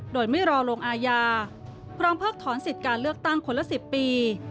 โดยไม่รอลงอาญาพร้อมเพิกถอนสิทธิ์การเลือกตั้งคนละ๑๐ปี